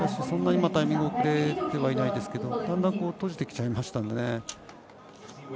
そんなに遅れてないですけどだんだん閉じてきちゃいましたので。